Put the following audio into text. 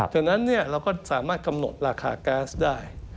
ฉะนั้นเราก็สามารถกำหนดราคาแก๊สได้